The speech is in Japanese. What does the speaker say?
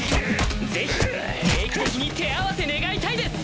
ぜひ定期的に手合わせ願いたいです！